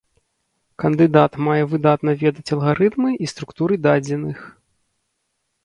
Кандыдат мае выдатна ведаць алгарытмы і структуры дадзеных.